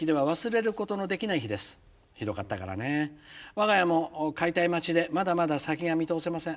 「我が家も解体待ちでまだまだ先が見通せません」。